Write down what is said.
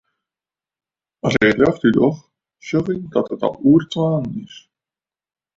At ik it ljocht útdoch, sjoch ik dat it al oer twaen is.